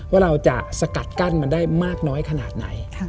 ว่าเราจะสกัดกั้นมันได้มากน้อยขนาดไหน